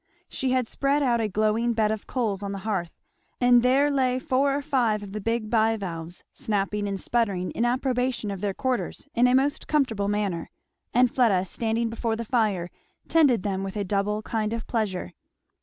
She had spread out a glowing bed of coals on the hearth, and there lay four or five of the big bivalves, snapping and sputtering in approbation of their quarters in a most comfortable manner; and Fleda standing before the fire tended them with a double kind of pleasure.